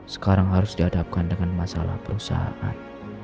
sekarang harus dihadapkan dengan masalah perusahaan